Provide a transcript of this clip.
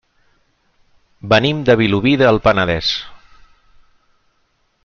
Venim de Vilobí del Penedès.